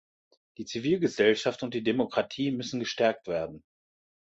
Die Zivilgesellschaft und die Demokratie müssen gestärkt werden.